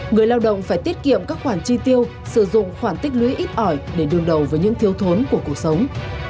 người lao động phải tiết kiệm các khoản chi tiêu sử dụng khoản tích lũy ít ỏi để đương đầu với những thiếu thốn của cuộc sống